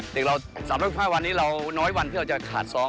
เด็กเรา๓๑๕วันนี้เราน้อยวันที่เราจะขาดซ้อม